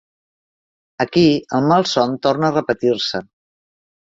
Aquí el malson torna a repetir-se.